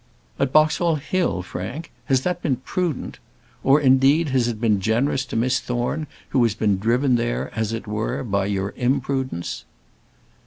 "At Boxall Hill, Frank! Has that been prudent? Or, indeed, has it been generous to Miss Thorne, who has been driven there, as it were, by your imprudence?"